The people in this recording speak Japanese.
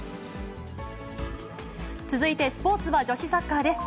続いて、スポーツは女子サッカーです。